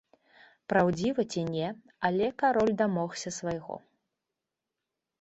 Праўдзіва ці не, але кароль дамогся свайго.